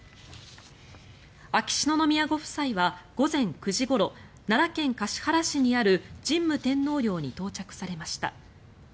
秋篠宮ご夫妻は午前９時ごろ奈良県橿原市にある神武天皇陵に到着されました。